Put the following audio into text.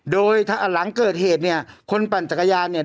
โดยหลังเกิดเหตุเนี่ยคนปั่นจักรยานเนี่ย